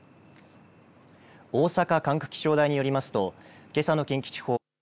大阪管区気象台によりますとけさの近畿地方は。